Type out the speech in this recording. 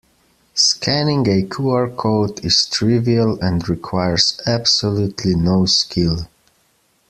Scanning a QR code is trivial and requires absolutely no skill.